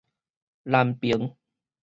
南爿